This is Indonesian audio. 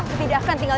aku tidak akan tinggal